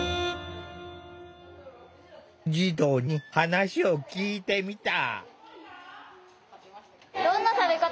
児童に話を聞いてみた。